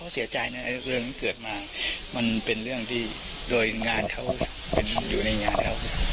เสียหายหลงให้ค่ะ